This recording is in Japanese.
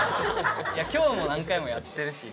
今日も何回もやってるし。